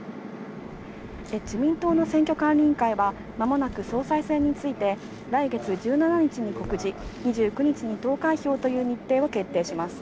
自民党の選挙管理委員会は間もなく総裁選について来月１７日に告示、２９日に投開票という日程を決定します。